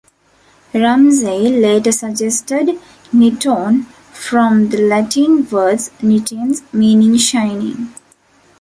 Ramsay later suggested "niton", from the Latin word "nitens" meaning "shining".